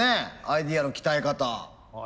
アイデアの鍛え方。